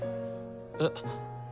えっ？